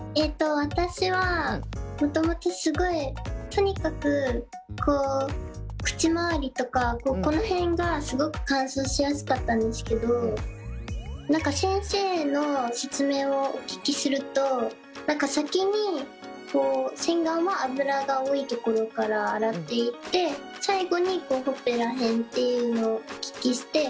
私はもともとすごいとにかく口周りとかこの辺がすごく乾燥しやすかったんですけど何か先生の説明をお聞きすると先に洗顔は脂が多いところから洗っていって最後にほっぺら辺っていうのをお聞きして。